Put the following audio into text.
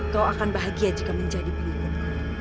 kau akan bahagia jika menjadi pengingin